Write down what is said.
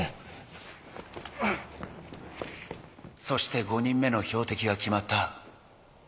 「そして５人目の標的が決まった。